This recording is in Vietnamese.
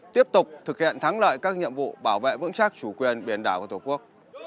tiếp tục thực hiện thắng lợi các nhiệm vụ bảo vệ vững chắc chủ quyền biển đảo của tổ quốc